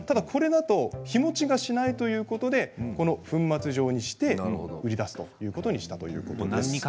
これだと日もちがしないということで粉末状にして売り出すということにしたということです。